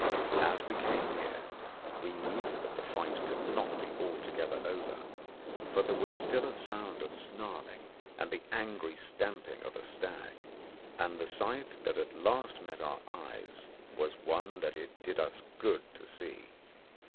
As we came near we knew that the fight could not be altogether over, for there was still a sound of snarling and the angry stamping of a stag, and the sight that at last met our eyes was one that it did us good to see.